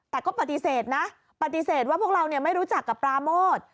แต่ก็ปฏิเสธนะปฏิเสธว่าพวกเราไม่รู้จักกับปราโมท